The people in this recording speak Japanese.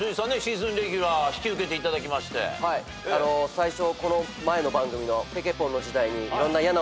最初この前の番組の。